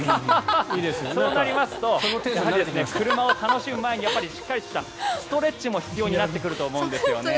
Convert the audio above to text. そうなりますと車を楽しむ前にしっかりしたストレッチも必要になってくるんですよね。